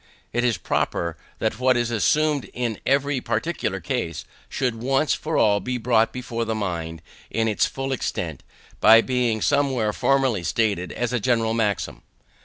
It is proper that what is assumed in every particular case, should once for all be brought before the mind in its full extent, by being somewhere formally stated as a general maxim.